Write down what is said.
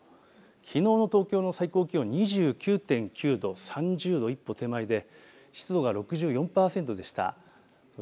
きのうの東京の最高気温は２９．９度、３０度一歩手前で湿度が６４％でした。